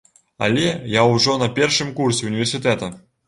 Але я ўжо на першым курсе універсітэта.